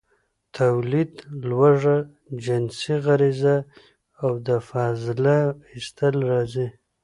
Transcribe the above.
، توليد، لوږه، جنسي غريزه او د فضله ايستل راځي.